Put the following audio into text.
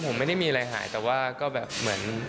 ผมไม่ได้มีอะไรหายแต่ว่าก็แบบเหมือน